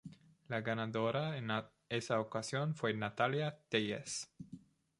La ganadora en esa ocasión fue Natalia Tellez.